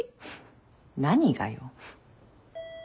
何がよ。